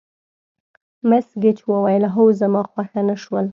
مس ګېج وویل: هو، خو زما خوښه نه شول.